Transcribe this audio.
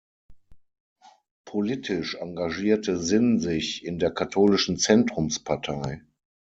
Politisch engagierte Sinn sich in der katholischen Zentrumspartei.